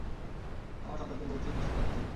আমার সন্তানদের ভবিষ্যৎ নিশ্চিত করতে চাই।